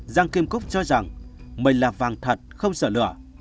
giang kim cúc cho rằng mình là vàng thật không sợ lửa